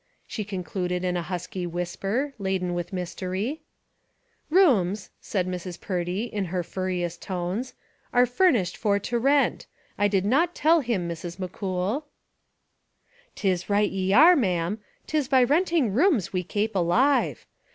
she concluded in a husky whisper, laden with mystery. "Rooms," said Mrs. Purdy, in her furriest tones, "are furnished for to rent. I did not tell him, Mrs. McCool." " 'Tis right ye are, ma'am; 'tis by renting rooms we kape alive.